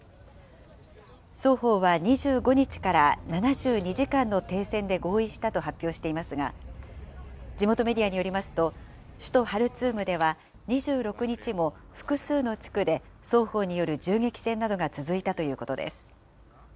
双方は２５日から７２時間の停戦で合意したと発表していますが、地元メディアによりますと、首都ハルツームでは、２６日も複数の地区で双方による銃撃戦などが続いたということです。